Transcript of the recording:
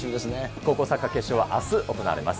高校サッカー決勝はあす行われます。